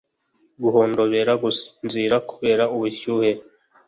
guhondobera gusinzira kubera ubushyuhe